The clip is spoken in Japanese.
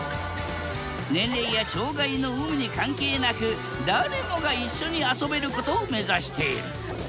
年齢や障害の有無に関係なく誰もが一緒に遊べることを目指している。